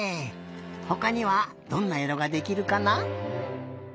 ほかにはどんないろができるかな？